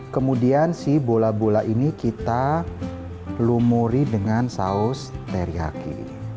kemudian si bola bola ini kita lumuri dengan saus teriyaki